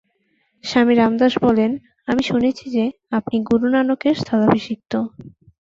স্বামী রামদাস বলেন, "আমি শুনেছি যে, আপনি গুরু নানকের স্থলাভিষিক্ত"।